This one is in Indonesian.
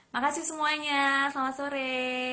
makasih semuanya selamat sore